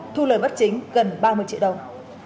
thu lời bắt chính gần ba mươi triệu đồng